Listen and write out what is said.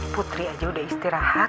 putri aja udah istirahat